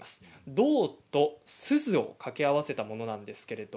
銅とすずを掛け合わせたものです。